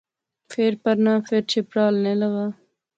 فیر پرنا، فیر چھپرا ہلنے لاغا